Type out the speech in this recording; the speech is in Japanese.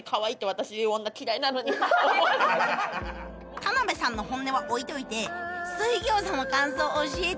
田辺の本音は置いといて水餃子の感想教えて！